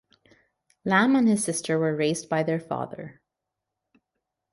Lam and his sister were raised up by their father.